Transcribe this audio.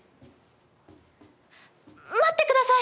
待ってください！